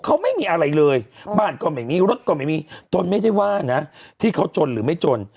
เขาไม่มีอะไรเลยบ้านก็ไม่มีรถก็ไม่มีตนไม่ได้ว่านะที่เขาจนหรือไม่จน